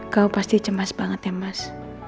kau pasti cemas banget ya mas